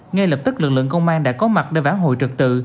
ngay lập tức lực lượng công an đã có mặt để vãn hội trực tự